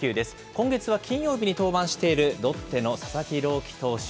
今月は金曜日に登板している、ロッテの佐々木朗希投手。